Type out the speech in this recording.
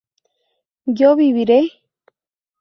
¿yo viviré?